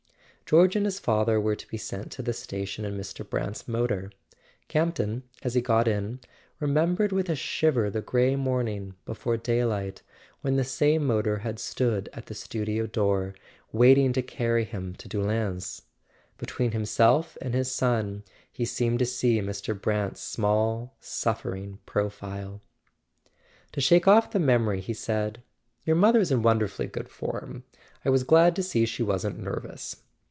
George and his father were to be sent to the station in Mr. Brant's motor. Campton, as he got in, remem¬ bered with a shiver the grey morning, before daylight, when the same motor had stood at the studio door, waiting to carry him to Doullens; between himself and his son he seemed to see Mr. Brant's small suffer¬ ing profile. [ 381 ] A SON AT THE FRONT To shake off the memory he said: "Your mother's in wonderfully good form. I was glad to see she wasn't nervous."